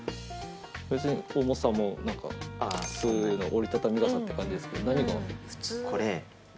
別に重さも普通の折り畳み傘って感じですけど何が？